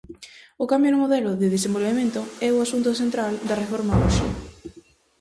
O cambio no modelo de desenvolvemento é o asunto central da reforma hoxe.